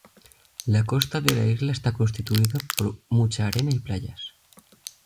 La costa de la isla está constituida por mucha arena y playas.